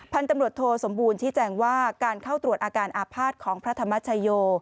พันธุ์ตำรวจโทสมบูรณชี้แจงว่าการเข้าตรวจอาการอาภาษณ์ของพระธรรมชโย